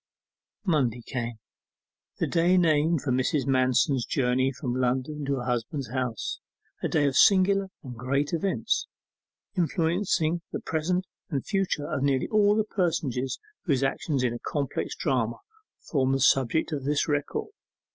Monday came, the day named for Mrs. Manston's journey from London to her husband's house; a day of singular and great events, influencing the present and future of nearly all the personages whose actions in a complex drama form the subject of this record.